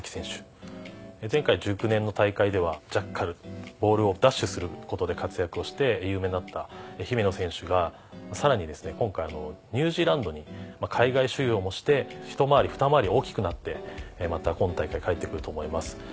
前回１９年の大会ではジャッカルボールを奪取することで活躍をして有名になった姫野選手がさらに今回ニュージーランドに海外修業もしてひと回りふた回り大きくなってまた今大会帰ってくると思います。